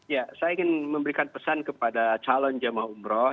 ya saya ingin memberikan pesan kepada calon jemaah umroh